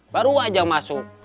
baru aja masuk